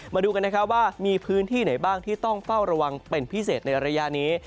มาดูกันนะครับว่ามีพื้นที่ไหนบ้างที่ต้องเฝ้าระวังเป็นพิเศษในระยะนี้